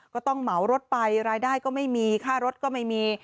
ก็ต้องเหมารถไปรายได้ก็ไม่มีค่ารถก็ไม่มี